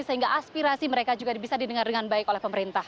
sehingga aspirasi mereka juga bisa didengar dengan baik oleh pemerintah